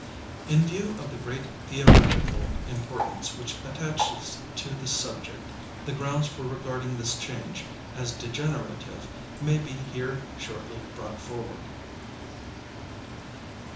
In view of the great theoretical importance which attaches to this subject, the grounds for regarding this change as degenerative, may be here shortly brought forward.